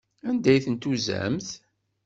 Anda ay ten-tuzamt?